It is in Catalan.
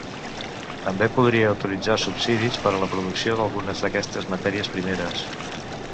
També podia autoritzar subsidis per a la producció d'algunes d'aquestes matèries primeres.